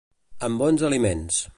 Amb bons aliments.